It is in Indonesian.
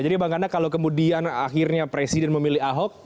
jadi bang ganda kalau kemudian akhirnya presiden memilih ahok